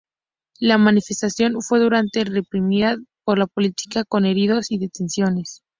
La manifestación fue duramente reprimida por la policía, con heridos y detenciones.